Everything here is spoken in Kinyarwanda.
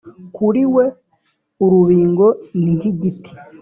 kuri we urubingo ni nk'igiti: